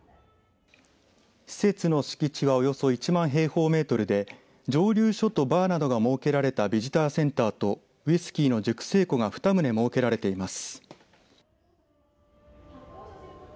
施設の敷地はおよそ１万平方メートルで蒸留所とバーなどが設けられたビジターセンターとウイスキーの熟成庫が２棟設けられています。